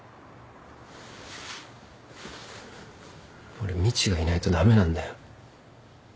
俺みちがいないと駄目なんだよ。